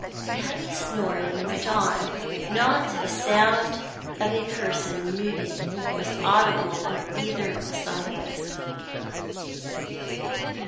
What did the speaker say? The heavy snoring went on; not a sound of a person moving was audible on either side of us.